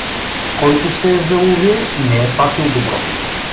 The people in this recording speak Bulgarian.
Който се е заловил, не е патил добро.